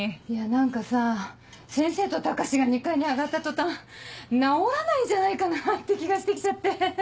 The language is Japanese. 何かさ先生と高志が２階に上がった途端治らないんじゃないかなって気がして来ちゃって。